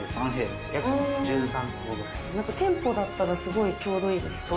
店舗だったらすごいちょうどいい。